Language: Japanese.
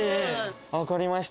わかりました。